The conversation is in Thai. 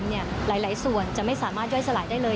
หลายส่วนจะไม่สามารถย่อยสลายได้เลย